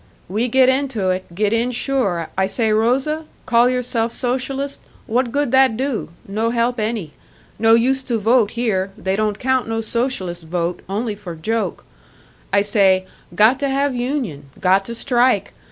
"We get into it get in sure. I say Rosa, 'Call yourself Socialist what good that do? No help any. No use to vote here they don't count no Socialist vote, only for joke!' I say, 'Got to have union. Got to strike!'